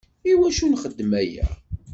Iwacu nxeddem aya?